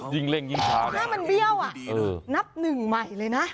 ยิ่งเร่งยิ่งช้าหน้ามันเบี้ยวอ่ะนับหนึ่งใหม่เลยนะ